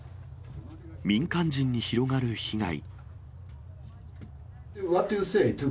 民間人に広がる被害。